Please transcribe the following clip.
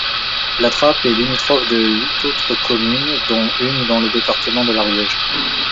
Latrape est limitrophe de huit autres communes dont une dans le département de l'Ariège.